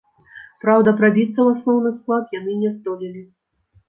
Праўда, прабіцца ў асноўны склад яны не здолелі.